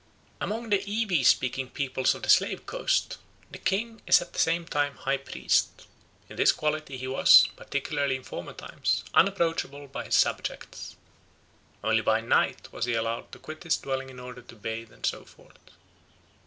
Among the Ewe speaking peoples of the Slave Coast "the king is at the same time high priest. In this quality he was, particularly in former times, unapproachable by his subjects. Only by night was he allowed to quit his dwelling in order to bathe and so forth.